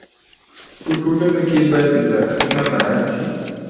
په ټولنه کي باید نزاکتونه مراعت سي.